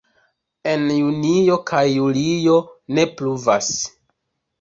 En junio kaj julio ne pluvas.